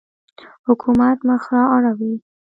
حکومت مخ را اړوي.